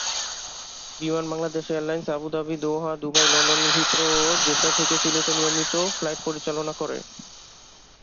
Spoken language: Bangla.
বিমান Bangladesh airlines Abu Dhabi, Doha, Dubai, লন্ডনের হিথ্রো ও জেদ্দা থেকে সিলেটে নিয়মিত ফ্লাইট পরিচালনা করে।